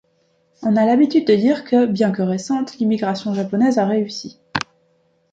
On a l'habitude de dire que, bien que récente, l'immigration japonaise a réussi.